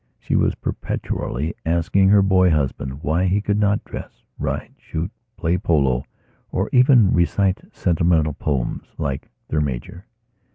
She was perpetually asking her boy husband why he could not dress, ride, shoot, play polo, or even recite sentimental poems, like their major.